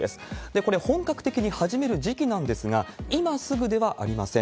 これ、本格的に始める時期なんですが、今すぐではありません。